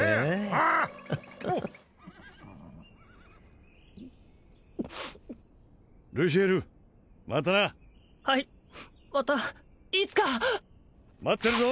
アハハルシエルまたなはいまたいつか待ってるぞ！